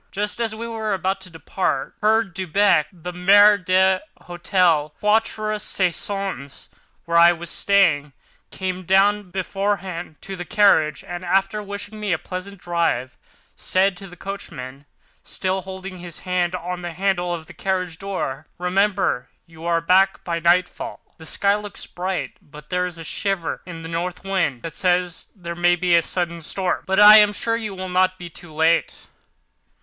Just as we were about to depart, Herr Delbrück (the maître d'hôtel of the Quatre Saisons, where I was staying) came down, bareheaded, to the carriage and, after wishing me a pleasant drive, said to the coachman, still holding his hand on the handle of the carriage door: "Remember you are back by nightfall. The sky looks bright but there is a shiver in the north wind that says there may be a sudden storm. But I am sure you will not be late."